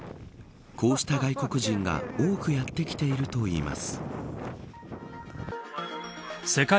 こうした外国人が多くやって来ているといいます。